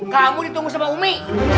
kamu ditunggu sama umi